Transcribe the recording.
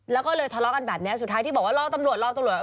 แล้วก็เลยทะเลาะกันแบบนี้สุดท้ายที่บอกว่ารอตำรวจรอตำรวจ